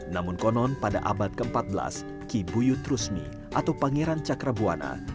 namun konon pada abad ke empat belas ki buyutrusmi atau pangeran cakrabuana